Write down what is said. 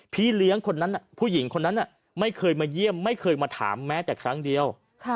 พี่เลี้ยงคนนั้นผู้หญิงคนนั้นไม่เคยมาเยี่ยมไม่เคยมาถามแม้แต่ครั้งเดียว